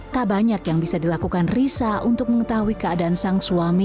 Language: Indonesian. tak banyak yang bisa dilakukan risa untuk mengetahui keadaan sang suami